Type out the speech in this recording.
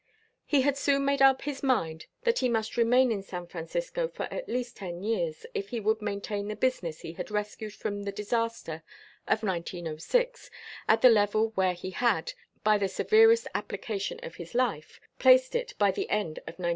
He had soon made up his mind that he must remain in San Francisco for at least ten years if he would maintain the business he had rescued from the disaster of 1906 at the level where he had, by the severest application of his life, placed it by the end of 1908.